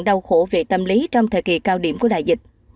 đau khổ về tâm lý trong thời kỳ cao điểm của đại dịch